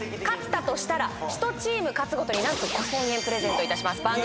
勝ったとしたら１チーム勝つごとになんと５，０００円プレゼントいたします